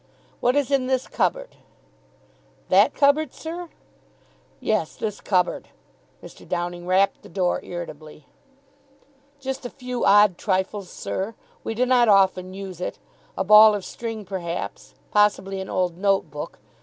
"What is in this cupboard?" "That cupboard, sir?" "Yes. This cupboard." Mr. Downing rapped the door irritably. "Just a few odd trifles, sir. We do not often use it. A ball of string, perhaps. Possibly an old note book.